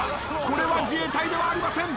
これは自衛隊ではありません。